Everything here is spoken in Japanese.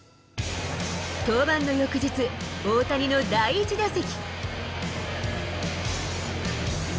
登板の翌日、大谷の第１打席。